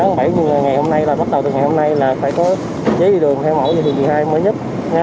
ngày hôm nay bắt đầu từ ngày hôm nay là phải có giấy đi đường theo mẫu giấy thị hai mới nhất